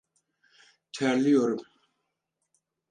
Terliyorum…